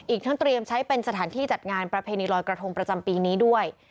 อีกทั้งเตรียมใช้เป็นสถานที่จัดงานประเพณีลอยกระทงประจำปีนี้ด้วย